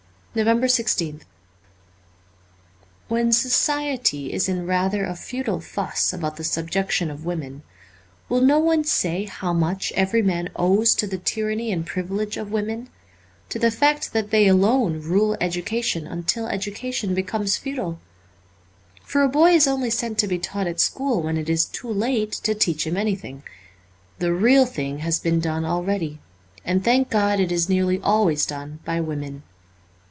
'* 355 2 A 2 NOVEMBER i6th WHEN society is in rather a futile fuss about the subjection of women, will no one say how much every man owes to the tyranny and privilege of women, to the fact that they alone rule education until education becomes futile ? For a boy is only sent to be taught at school when it is too late to teach him anything. The real thing has been done already, and thank God it is nearly always done by women.